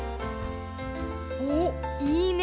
おっいいね！